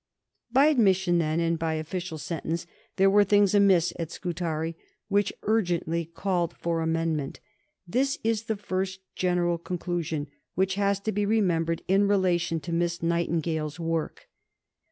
By admission, then, and by official sentence, there were things amiss at Scutari which urgently called for amendment. This is the first general conclusion which has to be remembered in relation to Miss Nightingale's work.